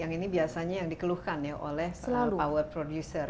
dan ini biasanya yang dikeluhkan ya oleh power producer